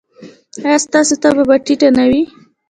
ایا ستاسو تبه به ټیټه نه وي؟